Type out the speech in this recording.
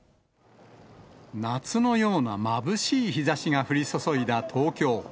夏のようなまぶしい日ざしが降り注いだ東京。